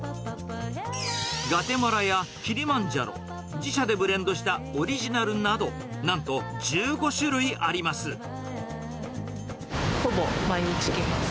グァテマラやキリマンジャロ、自社でブレンドしたオリジナルなほぼ毎日来ます。